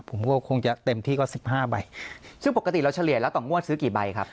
ผมก็คงจะเต็มที่ก็สิบห้าใบซึ่งปกติเราเฉลี่ยแล้วต่องวดซื้อกี่ใบครับ